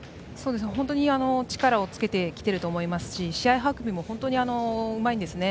本当に力をつけてきていると思いますし試合運びもうまいんですね。